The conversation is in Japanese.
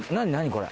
これ。